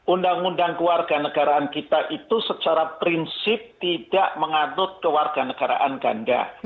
undang undang kewarga negaraan kita itu secara prinsip tidak mengadut kewarga negaraan ganda